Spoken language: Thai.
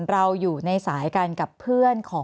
แอนตาซินเยลโรคกระเพาะอาหารท้องอืดจุกเสียดแสบร้อน